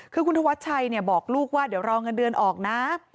คือคุณธวัชชัยบอกลูกว่าเดี๋ยวรอเงินเดือนออกนะ